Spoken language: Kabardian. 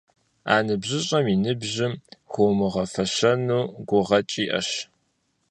А ныбжьыщӀэм и ныбжьым хуумыгъэфэщэну гукъэкӀ иӀэщ.